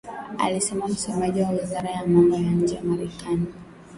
alisema msemaji wa wizara ya mambo ya nje Marekani